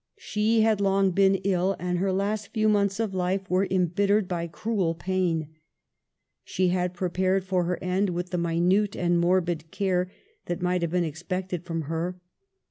She had long been ill, and her last few months of life were embittered by cruel pain. She had prepared for her end with the minute and morbid care that might have been expected from her.